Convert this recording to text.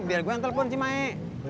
biar gue yang telepon si mae